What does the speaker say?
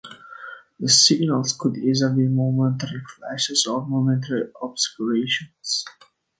The signals could either be momentary flashes, or momentary obscurations.